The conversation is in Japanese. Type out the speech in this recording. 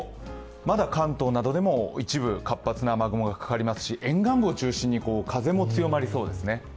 まだ関東などでも一部、活発な雨雲がかかりますし沿岸部を中心に風も強まりそうですね。